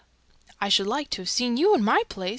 '" "I should like to have seen you in my place.